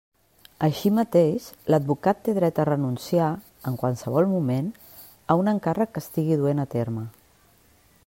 Així mateix, l'advocat té dret a renunciar, en qualsevol moment, a un encàrrec que estigui duent a terme.